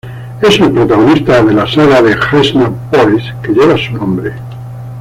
Es el protagonista de la "saga de Hænsna-Þóris," que lleva su nombre.